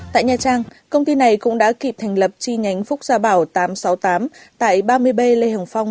tại nha trang công ty này cũng đã kịp thành lập chi nhánh phúc gia bảo tám trăm sáu mươi tám tại ba mươi b lê hồng phong